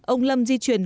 ông lâm di chuyển